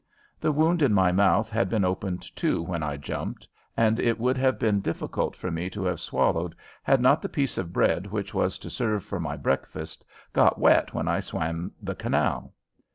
The wound in my mouth had been opened, too, when I jumped, and it would have been difficult for me to have swallowed had not the piece of bread, which was to serve for my breakfast, got wet when I swam the canal.